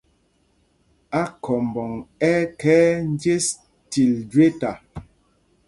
Akhɔmbɔŋ ɛ́ ɛ́ khɛɛ njes til jweta.